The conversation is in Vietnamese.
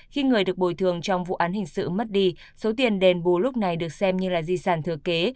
khi người được bồi thường trong vụ án hình sự mất đi số tiền đền bù lúc này được xem như là di sản thừa kế